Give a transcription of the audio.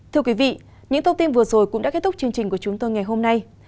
thưa quý vị những thông tin vừa rồi cũng đã kết thúc chương trình của chúng tôi ngày hôm nay